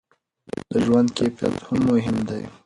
د ژوند کیفیت هم مهم دی.